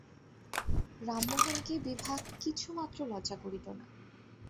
রামমোহনকে বিভা কিছুমাত্র লজ্জা করিত না।